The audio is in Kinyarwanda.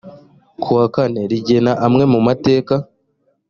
kuwa kane rigena amwe mu mataka